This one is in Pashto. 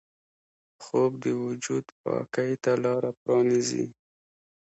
خوب د وجود پاکۍ ته لاره پرانیزي